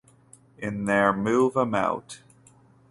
In their move 'em out!